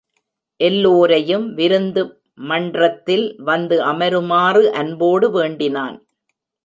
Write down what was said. எல்லோரையும் விருந்து மன்றத்தில் வந்து அமருமாறு அன்போடு வேண்டினான்.